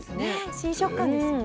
新食感ですよね。